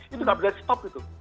itu nggak bisa di stop gitu